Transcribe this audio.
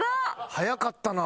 早かったな。